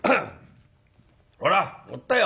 ほら乗ったよ」。